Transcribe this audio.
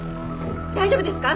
大丈夫ですか？